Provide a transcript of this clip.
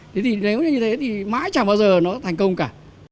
thế thì nếu như thế thì mãi chẳng bao giờ nó thành công cả